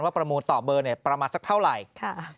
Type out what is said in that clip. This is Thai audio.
ประมูลต่อเบอร์ประมาณสักเท่าไหร่